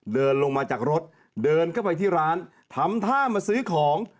เดินลงมาจากรถเดินเข้าไปที่ร้านทำท่ามาซื้อของ